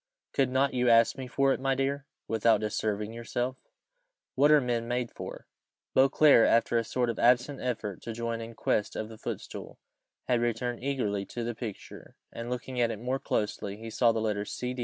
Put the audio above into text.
"Could not you ask me for it, my dear, without disturbing yourself? What are men made for?" Beauclerc, after a sort of absent effort to join in quest of the footstool, had returned eagerly to the picture, and looking at it more closely, he saw the letters C.D.